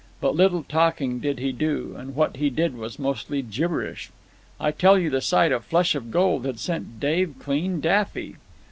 But little talking did he do, and what he did was mostly gibberish. I tell you the sight of Flush of Gold had sent Dave clean daffy.